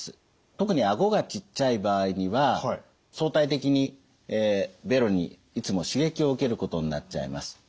特に顎がちっちゃい場合には相対的にべろにいつも刺激を受けることになっちゃいます。